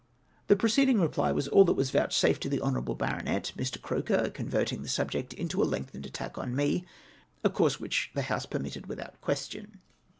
The preceding reply was all that was vouchsafed to the honourable baronet, Mr. Croker converting the subject into a lengthened attack on me, a course which the House permitted without question.